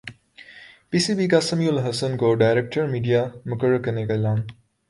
پی C B کا سمیع الحسن کو director media مقرر کرنے کا اعلان